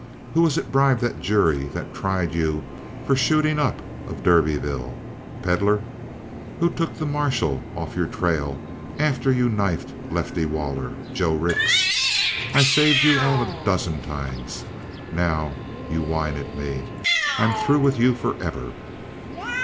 Who was it bribed the jury that tried you for the shooting up of Derbyville, Pedlar? Who took the marshal off your trail after you'd knifed Lefty Waller, Joe Rix? I've saved you all a dozen times. Now you whine at me. I'm through with you forever!"